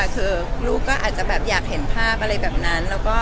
คือลูกก็อาจจะแบบอยากเห็นภาพอะไรแบบนั้น